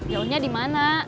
jauhnya di mana